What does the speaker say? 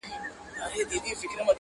• رېزمرېز به یې پر مځکه وي هډونه -